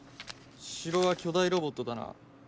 城は巨大ロボットだな？